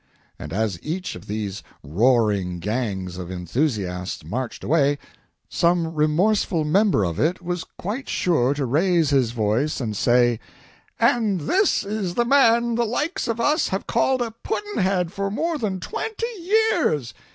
And as each of these roaring gangs of enthusiasts marched away, some remorseful member of it was quite sure to raise his voice and say "And this is the man the likes of us have called a pudd'nhead for more than twenty years.